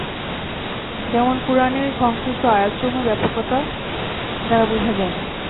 যেমন কুরআনের সংশ্লিষ্ট আয়াতসমূহের ব্যাপকতার দ্বারা বোঝা যায়।